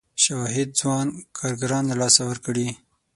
شواهد ځوان کارګران له لاسه ورکړي.